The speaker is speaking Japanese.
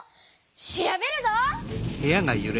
調べるぞ！